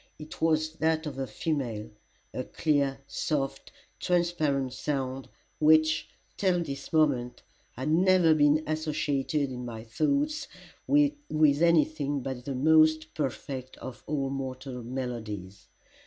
It was that of a female, a clear, soft, transparent sound, which, till this moment, had never been associated in my thoughts with any thing but the most perfect of all mortal melodies.